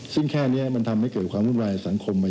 ซึ่งแค่นี้มันทำให้เกิดความวุ่นวายสังคม